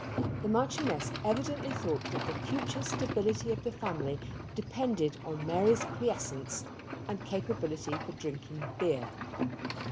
The Marchioness evidently thought that the future stability of the family depended on Mary's quiescence and capability for drinking beer.